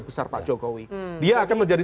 besar pak jokowi dia akan menjadi